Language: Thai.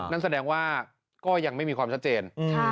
นั่นแสดงว่าก็ยังไม่มีความชัดเจน